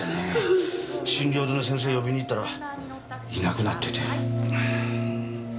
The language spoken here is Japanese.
診療所の先生呼びに行ったらいなくなってて。